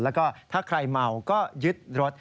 แล้วก็ถ้าใครเมาก็ยึดรถ